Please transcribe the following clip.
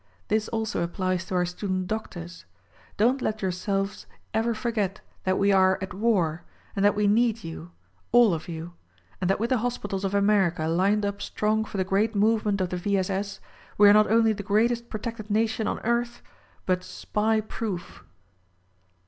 This also appHes to our student doctors. Don't let yourselves ever forget that we are at war, and that we need you — all of you; and that with the hospitals of America lined up strong for the great movement of the V. S. S. we are not only the greatest protected nation on earth, but — SPY proof!